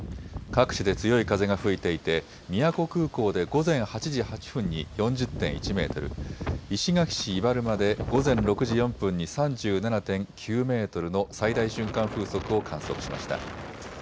各地で強い風が吹いていて宮古空港で午前８時８分に４０．１メートル、石垣市伊原間で午前６時４分に３７．９メートルの最大瞬間風速を観測しました。